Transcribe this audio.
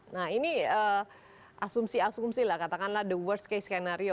nah ini asumsi asumsi lah katakanlah the worst case skenario